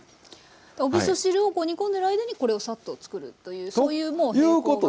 おみそ汁を煮込んでる間にこれをサッと作るというそういうもう並行が。